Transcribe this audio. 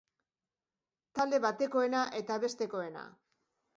Talde batekoena eta bestekoena.